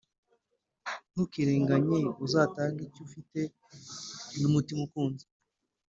Ntukirenganye uzatange icyufite numutima ukunze